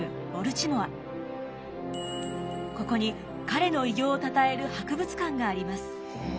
ここに彼の偉業をたたえる博物館があります。